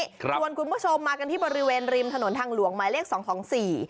ชวนคุณผู้ชมมากันที่บริเวณริมถนนทางหลวงหมายเลขสองของสี่